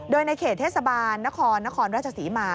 โดยในเขตเทศบาลนครนครราชศรีมา